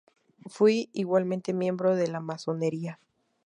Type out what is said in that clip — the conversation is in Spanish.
Fue igualmente miembro de la Masonería.